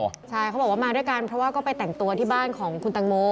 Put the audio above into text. เขาบอกมาด้วยกันเพราะว่าเขาไปแต่งตัวด้านของคุณตังโม